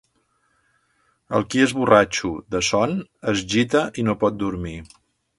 El qui és borratxo, de son, es gita i no pot dormir.